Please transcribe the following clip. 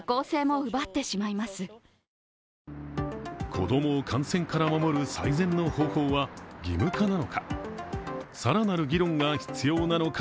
子供を感染から守る最善の方法は義務化なのか。